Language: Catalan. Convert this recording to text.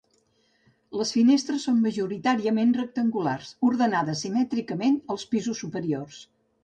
Les finestres són majoritàriament rectangulars, ordenades simètricament als pisos superiors.